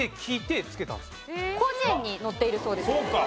『広辞苑』に載っているそうです。